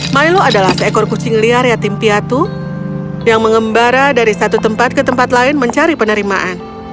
milo adalah seekor kucing liar yatim piatu yang mengembara dari satu tempat ke tempat lain mencari penerimaan